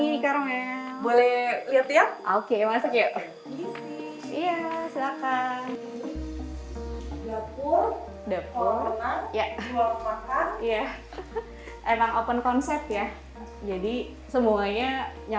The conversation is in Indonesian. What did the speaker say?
enak ya berarti saat lagi masak biunya langsung kolam renang